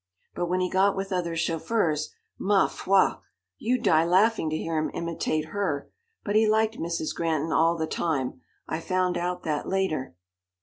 But when he got with other chauffeurs ma foi! You'd die laughing to hear him imitate her but he liked Mrs. Granton all the time. I found out that later.